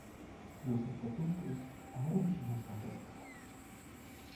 Los estatutos aún no se han redactado.